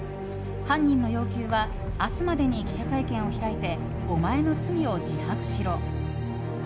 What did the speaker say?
犯人の要求は「明日までに記者会見を開いてお前の罪を自白しろ」。